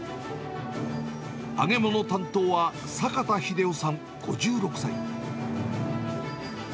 揚げ物担当は坂田秀世さん５６歳。